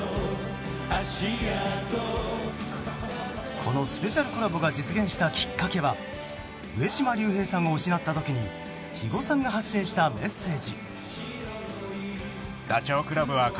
このスペシャルコラボが実現したきっかけは上島竜兵さんを失った時に肥後さんが発信したメッセージ。